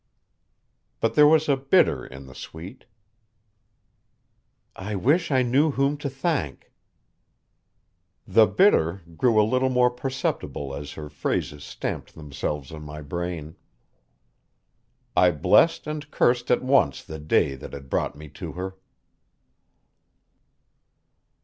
But there was a bitter in the sweet. "I wish I knew whom to thank." The bitter grew a little more perceptible as her phrases stamped themselves on my brain. I blessed and cursed at once the day that had brought me to her.